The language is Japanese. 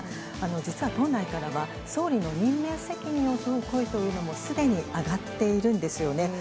実は党内からは、総理の任命責任を問う声というのもすでに上がっているんですよね。